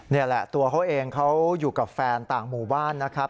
นี่แหละตัวเขาเองเขาอยู่กับแฟนต่างหมู่บ้านนะครับ